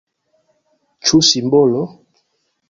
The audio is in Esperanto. Ĉu simbolo?